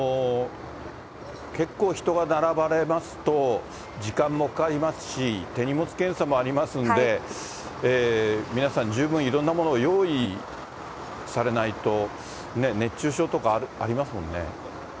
結構、人が並ばれますと、時間もかかりますし、手荷物検査もありますんで、皆さん、十分、いろんなものを用意されないと、熱中症とかありますもんね。